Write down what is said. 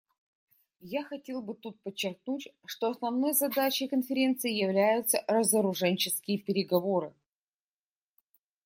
Я хотел бы тут подчеркнуть, что основной задачей Конференции являются разоруженческие переговоры.